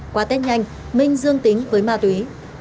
qua tết nhanh minh dương tính với ma túy